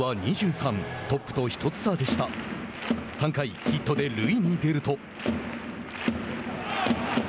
３回、ヒットで塁に出ると。